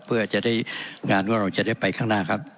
เพื่อจะได้งานว่าเราจะได้ไปข้างหน้าครับ